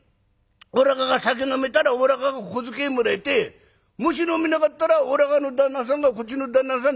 おらがが酒飲めたらおらがが小遣えもらえてもし飲めなかったらおらがの旦那さんがこっちの旦那さん